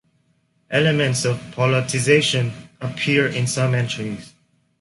Elements of politicisation appear in some entries.